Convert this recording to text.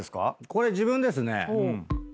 これ自分ですね。